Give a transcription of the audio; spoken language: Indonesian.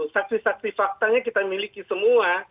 saksi saksi faktanya kita miliki semua